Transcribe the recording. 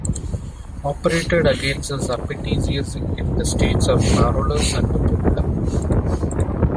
Operated against the Zapatistas in the states of Morelos and Puebla.